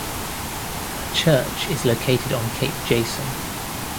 A church is located on Cape Jason.